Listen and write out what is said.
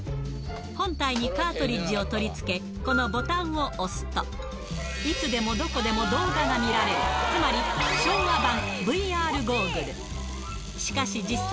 本体にカートリッジを取り付け、このボタンを押すと、いつでもどこでも動画が見られる、つまり、昭和版ＶＲゴーグル。